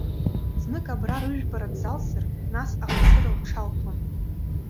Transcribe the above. Знык абра рыжәпара дзалсыр, нас ахшьыра лҽалҭон.